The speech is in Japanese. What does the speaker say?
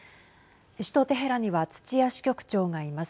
首都テヘランには土屋支局長がいます。